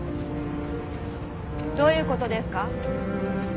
どういう事ですか？